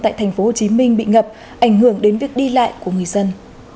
tại thành phố hồ chí minh bị ngập ảnh hưởng đến việc đi lại của người dân